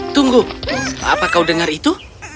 tunggu apa kau dengar itu